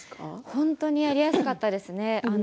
本当にやりやすかったですね。